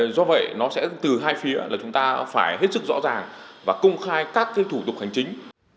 do vậy nó sẽ từ hai phía là chúng ta phải hết sức rõ ràng và công khai các thủ tục hành chính